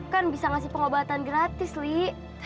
kan bisa ngasih pengobatan gratis li